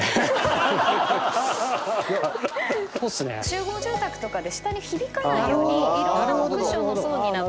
集合住宅とかで下に響かないようにいろんなクッションの層になってるという。